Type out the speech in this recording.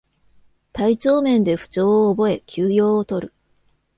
体調面で不調を覚え休養をとる